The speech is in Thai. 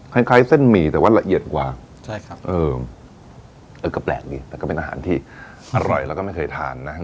คล้ายเส้นหมี่แต่ว่าละเอียดกว่าใช่ครับเออก็แปลกดีแต่ก็เป็นอาหารที่อร่อยแล้วก็ไม่เคยทานนะครับ